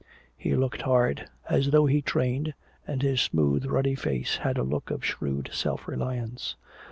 He looked hard, as though he trained, and his smooth and ruddy face had a look of shrewd self reliance.